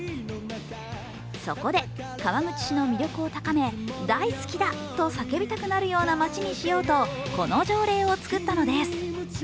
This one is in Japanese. そこで、川口市の魅力を高め大好きだとさけびたくなるような街にしようとこの条例を作ったのです。